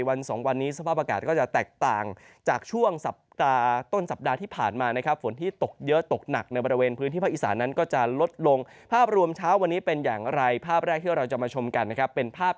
วันสองวันนี้สภาพอากาศก็จะแตกต่างจากช่วงสัปดาห์ต้นสัปดาห์ที่ผ่านมานะครับ